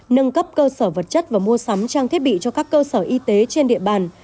nâng cấp cơ sở vật chất và mua sắm trang thiết bị cho các cơ sở y tế trên địa bàn